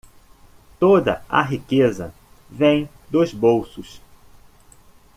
Toda a riqueza vem dos bolsos.